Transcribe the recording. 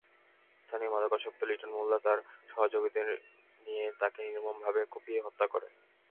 স্থানীয় মাদকাসক্ত লিটন মোল্লা তার সহযোগীদের নিয়ে তাঁকে নির্মমভাবে কুপিয়ে হত্যা করে।